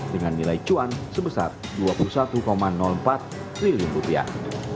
dengan nilai cuan sebesar dua puluh satu empat triliun rupiah